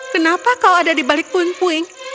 kenapa kau ada di balik puing puing